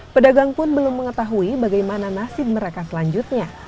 pedagang pun belum mengetahui bagaimana nasib mereka selanjutnya